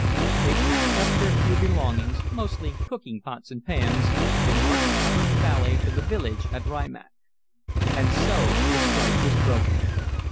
They packed up their few belongings, mostly cooking pots and pans, and marched out of the valley to the village at Rimac. And so the strike was broken.